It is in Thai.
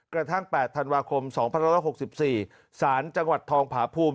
กระทั่งแปดธันวาคมสองพันธาตุหกสิบสี่สารจังหวัดทองผาพูม